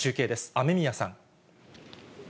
雨宮さん。